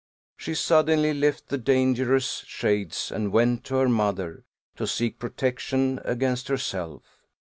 She suddenly left the dangerous shades, and went to her mother, to seek protection against herself.